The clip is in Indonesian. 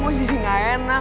gue jadi gak enak